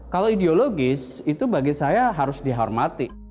kalau ideologis itu bagi saya harus dihormati